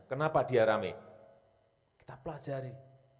kenapa dia rame kita pelajari